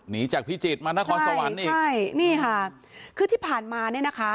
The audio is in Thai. หนีจากพิจิตรมานครสวรรค์อีกใช่นี่ค่ะคือที่ผ่านมาเนี่ยนะคะ